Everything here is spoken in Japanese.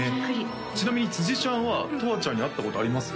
ちなみに辻ちゃんはとわちゃんに会ったことあります？